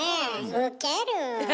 ウケる。